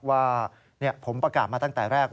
ว่าผมประกาศมาตั้งแต่แรก